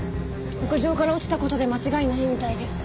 屋上から落ちた事で間違いないみたいです。